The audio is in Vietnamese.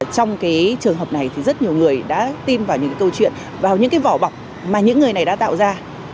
trong trường hợp này thì rất nhiều người đã tin vào những câu chuyện vào những vỏ bọc mà những người này đã tạo ra